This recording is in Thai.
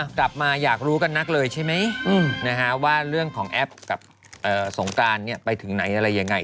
กลับมาอยากรู้กันนักเลยใช่ไหมว่าเรื่องของแอปกับสงกรานเนี่ยไปถึงไหนอะไรยังไง